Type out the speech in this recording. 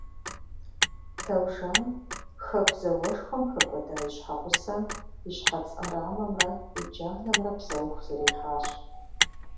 Таужан хэку зауэшхуэм хэкӏуэдэ и щхьэгъусэм и щхьэц ӏэрамэмрэ и джанэмрэ псэуху зэриыхьащ.